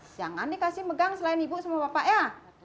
jangan dikasih megang selain ibu sama bapak ya